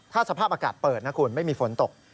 ถ้าสภาพอากาศเปิดนะคุณไม่มีฝนตก